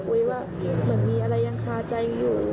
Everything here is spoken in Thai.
มีอะไรขาใจ